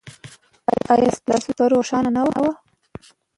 ایا ستاسو شپه روښانه نه ده؟